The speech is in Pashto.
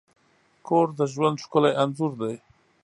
کور د ژوند ښکلی انځور دی.